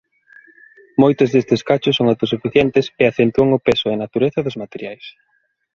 Moitos destes cachos son autosuficientes e acentúan o peso e a natureza dos materiais.